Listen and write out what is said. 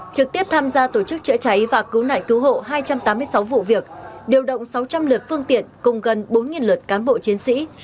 trực tiếp tham gia tổ chức chữa cháy và cứu nạn cứu hộ hai trăm tám mươi sáu vụ việc điều động sáu trăm linh lượt phương tiện cùng gần bốn lượt cán bộ chiến sĩ